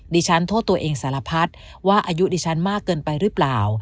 โทษตัวเองสารพัดว่าอายุดิฉันมากเกินไปหรือเปล่า